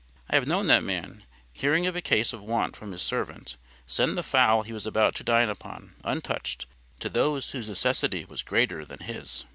I have known that man, hearing of a case of want from his servant, send the fowl he was about to dine upon, untouched, to those whose necessity was greater than his.